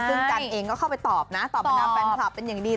ซึ่งกันเองก็เข้าไปตอบนะตอบบรรดาแฟนคลับเป็นอย่างดี